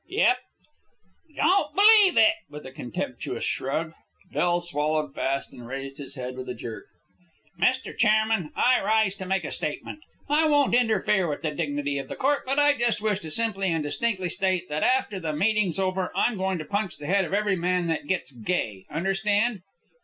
"Yep." "Don't believe it," with a contemptuous shrug. Del swallowed fast and raised his head with a jerk. "Mr. Chairman, I rise to make a statement. I won't interfere with the dignity of the court, but I just wish to simply and distinctly state that after the meeting's over I'm going to punch the head of every man that gets gay. Understand?"